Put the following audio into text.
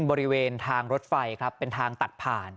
บริเวณทางรถไฟครับเป็นทางตัดผ่าน